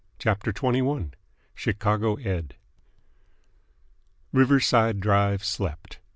CHAPTER XXI CHICAGO ED. Riverside Drive slept.